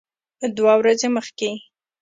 دوه ورځې مخکې